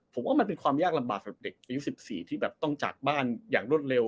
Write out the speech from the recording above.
ผมว่ามันเป็นความยากลำบากสำหรับเด็กอายุ๑๔ที่แบบต้องจากบ้านอย่างรวดเร็ว